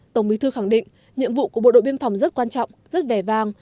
tổng bí thư khẳng định nhiệm vụ của bộ đội biên phòng rất quan trọng rất vẻ vang